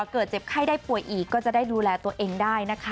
เจ็บไข้ได้ป่วยอีกก็จะได้ดูแลตัวเองได้นะคะ